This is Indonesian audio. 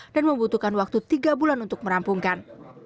dan membutuhkan waktu tiga bulan untuk merampungkan